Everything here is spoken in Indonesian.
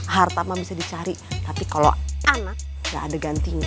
harta mah bisa dicari tapi kalau anak gak ada gantinya